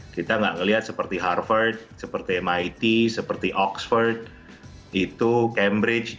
kita nggak melihat seperti harvard seperti mit seperti oxford itu cambridge